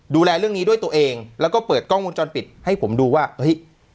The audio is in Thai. ดูแลเรื่องนี้ด้วยตัวเองแล้วก็เปิดกล้องวงจรปิดให้ผมดูว่าเฮ้ย